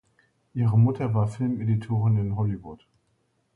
Ihre Mutter war Filmeditorin in Hollywood.